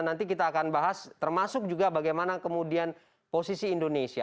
nanti kita akan bahas termasuk juga bagaimana kemudian posisi indonesia